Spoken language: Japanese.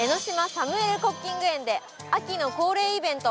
サムエル・コッキング苑で秋の恒例イベント